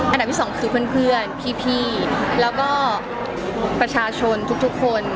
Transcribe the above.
อันดับที่สองคือเพื่อนพี่แล้วก็ประชาชนทุกคน